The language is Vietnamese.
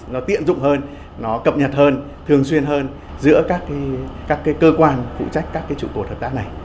nó tiện dụng hơn nó cập nhật hơn thường xuyên hơn giữa các cái cơ quan phụ trách các cái trụ cột hợp tác này